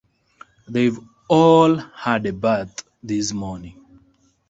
They’ve all had a bath this morning.